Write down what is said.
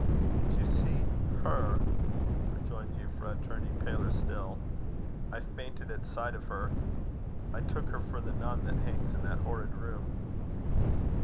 "Did you see her?" rejoined Euphra, turning paler still. "I fainted at sight of her. I took her for the nun that hangs in that horrid room."